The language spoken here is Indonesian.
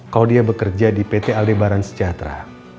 kalau dia bekerja di pt aldebaran sejahtera